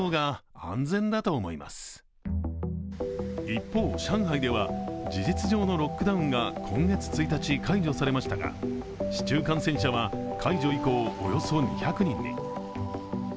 一方、上海では事実上のロックダウンが今月１日解除されましたが市中感染者は解除以降およそ２００人に。